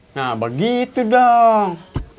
nah begitu dong